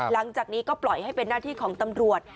หลังจากนี้ก็ปล่อยให้เป็นหน้าที่ของตำรวจ